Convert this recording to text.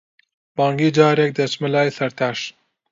مانگی جارێک، دەچمە لای سەرتاش.